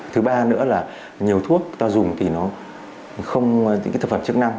thứ ba nữa là nhiều thuốc ta dùng thì những thực phẩm chức năng